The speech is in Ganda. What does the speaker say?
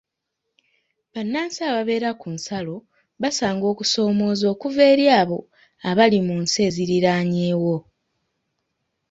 Bannansi ababeera ku nsalo basanga okusoomooza okuva eri abo abali mu nsi eziriraanyewo.